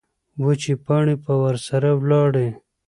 وچې پاڼې به ورسره لاړې.